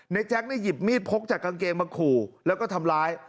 แจ๊คหยิบมีดพกจากกางเกงมาขู่แล้วก็ทำร้าย